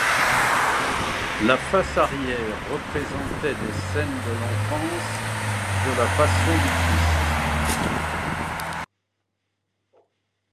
La face arrière représentait des scènes de l'Enfance et de la Passion du Christ.